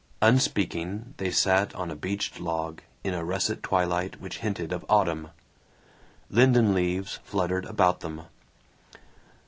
Unspeaking they sat on a bleached log, in a russet twilight which hinted of autumn. Linden leaves fluttered about them.